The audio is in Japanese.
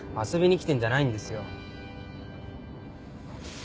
遊びに来てんじゃないんですよ。